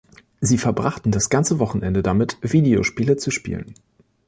Sie verbrachten das ganze Wochenende damit, Videospiele zu spielen.